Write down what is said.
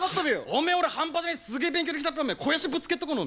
おめえ俺半端ねえすげえ勉強できたっぺおめえ肥やしぶつけっぞこの。